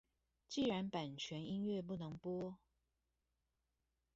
既然版權音樂不能播